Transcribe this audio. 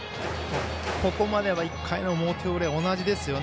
ここまでは１回の表裏同じですよね。